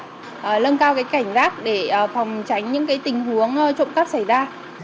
nâng cao cái cảnh giác để phòng tránh những cái tình huống trộm cắp xảy ra